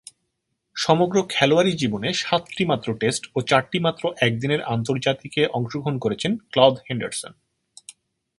সমগ্র খেলোয়াড়ী জীবনে সাতটিমাত্র টেস্ট ও চারটিমাত্র একদিনের আন্তর্জাতিকে অংশগ্রহণ করেছেন ক্লদ হেন্ডারসন।